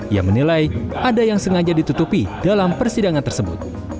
ia menilai ada yang sengaja ditutupi dalam persidangan tersebut